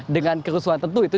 dengan kerusuhan tentu itu